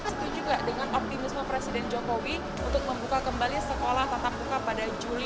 setuju juga dengan optimisme presiden jokowi untuk membuka kembali sekolah tatap muka pada juli dua ribu dua puluh satu